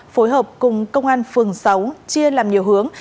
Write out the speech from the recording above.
phối hợp cùng công an phường sáu chia làm nhiều hướng